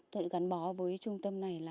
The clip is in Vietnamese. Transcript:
tôi đã gắn bó với trung tâm này